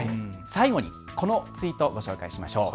最後にこのツイートをご紹介しましょう。